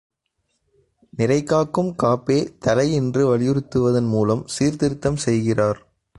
நிறை காக்கும் காப்பே தலை என்று வலியுறுத்துவதன் மூலம் சீர்திருத்தம் செய்கிறார்.